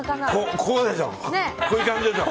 こういう感じでしょ。